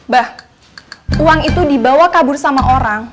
bah uang itu dibawa kabur sama orang